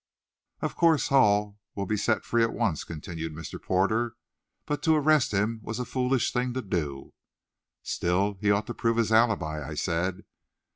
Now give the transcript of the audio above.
"Of course Hall will be set free at once," continued Mr. Porter, "but to arrest him was a foolish thing to do." "Still, he ought to prove his alibi," I said.